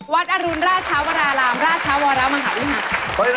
วัดอรุณราชวรราหรามราชวรรมหาวิทยาลักษณะ